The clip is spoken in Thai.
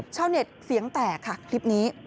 ชาวเน็ตเสียงแตกค่ะคลิปนี้